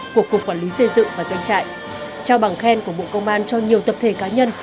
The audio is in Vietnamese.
của cục quản lý xây dựng và doanh trại trao bằng khen của bộ công an cho nhiều tập thể cá nhân